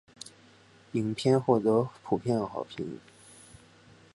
影片获得普遍好评。